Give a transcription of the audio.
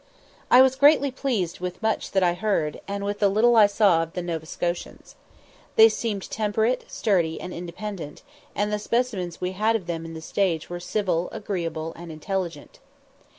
I was greatly pleased with much that I heard, and with the little I saw of the Nova Scotians. They seemed temperate, sturdy, and independent, and the specimens we had of them in the stage were civil, agreeable, and intelligent.